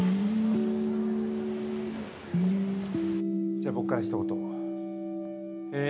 じゃあ僕からひと言。